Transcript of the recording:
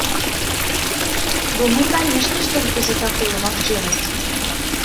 Бо мы, канечне ж, толькі за такую магчымасць.